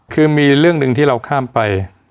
คือมีเรื่องหนึ่งที่เราข้ามไป